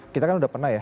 kita kan sudah pernah ya